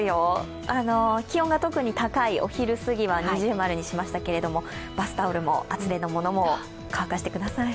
気温が特に高いお昼すぎは二重丸にしましたけど、バスタオルも、厚手のものも干してください。